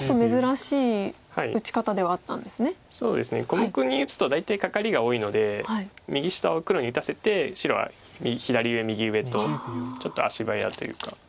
小目に打つと大体カカリが多いので右下は黒に打たせて白は左上右上とちょっと足早というか。